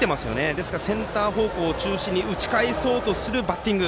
ですからセンター方向を中心に打ち返そうとするバッティング